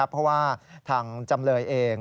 เพราะว่าทางจำเลยเอง